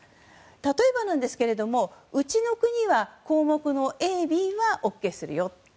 例えば、うちの国は項目のＡ、ＢはＯＫするよ。